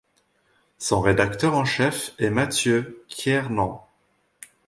Son rédacteur en chef est Matthew Kiernan.